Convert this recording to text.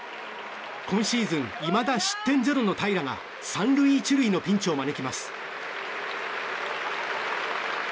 今シーズンいまだ失点０の平良が３塁１塁のピンチを招きます。